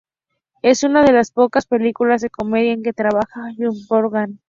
Es una de las pocas películas de comedia en que trabaja Humphrey Bogart.